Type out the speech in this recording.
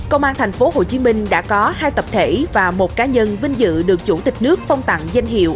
công an thành phố hồ chí minh đã có hai tập thể và một cá nhân vinh dự được chủ tịch nước phong tặng danh hiệu